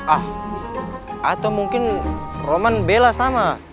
ah atau mungkin roman bela sama